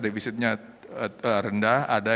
defisitnya rendah ada